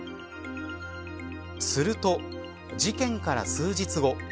すると事件から数日後。